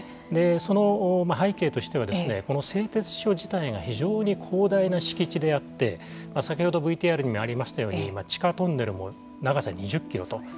その背景としてはこの製鉄所自体が非常に広大な敷地であって先ほどＶＴＲにもありましたように地下トンネルも長さ２０キロと。